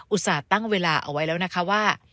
อุตส่าห์ตั้งเวลาเอาไว้แล้วนะคะว่า